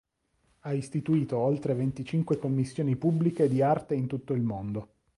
Ha istituito oltre venticinque commissioni pubbliche di arte in tutto il mondo.